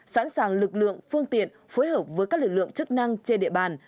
sẵn sàng lực lượng phương tiện phối hợp với các lực lượng chức năng trên địa bàn